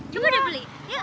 coba deh beli